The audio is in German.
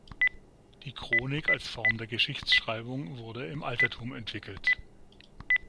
Die Chronik als Form der Geschichtsschreibung wurde im Altertum entwickelt.